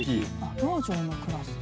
道場のクラス？